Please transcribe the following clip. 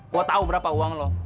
gue tau berapa uang lo